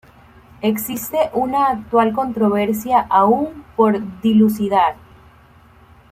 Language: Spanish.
Existe una actual controversia aún por dilucidar.